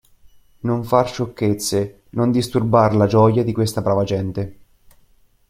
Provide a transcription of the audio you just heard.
Non far sciocchezze; non disturbar la gioia di questa brava gente.